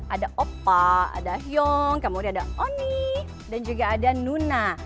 ada opa ada hyong kemudian ada oni dan juga ada nuna